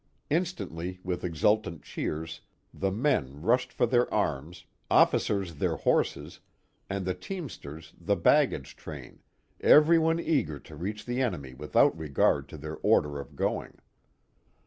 Instantly, witii exultant cheers, the men rushed for their arms, officers their horses, and the teamsters the baggage train, everyone eager to reach the enemy without regard to their order of going.